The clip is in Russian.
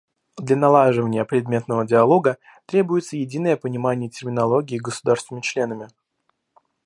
Для налаживания предметного диалога требуется единое понимание терминологии государствами-членами.